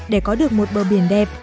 để có được một bờ biển đẹp